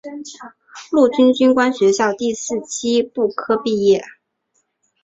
陆军军官学校第四期步科毕业。